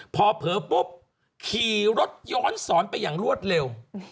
พอเผลอปุ๊บขี่รถย้อนสอนไปอย่างรวดเร็ว